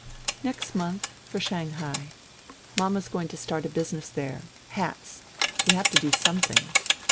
" Next month ... for Shanghai. Mama is going to start a business there. Hats. We have to do something